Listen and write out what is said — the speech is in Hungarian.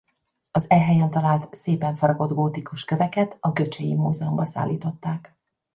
Az e helyen talált szépen faragott gótikus köveket a Göcseji Múzeumba szállították.